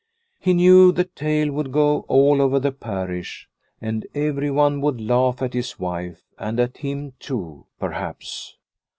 He knew the tale would go all over the parish, and everyone would laugh at his wife and at him too perhaps.